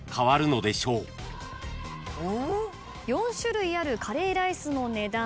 ４種類あるカレーライスの値段